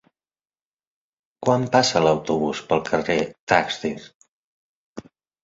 Quan passa l'autobús pel carrer Taxdirt?